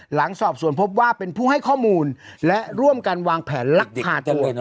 หลังสอบสวนพบว่าเป็นผู้ให้ข้อมูลและร่วมกันวางแผนลักพาตัว